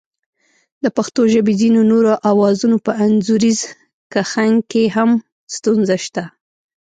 د پښتو ژبې ځینو نورو آوازونو په انځوریز کښنګ کې هم ستونزه شته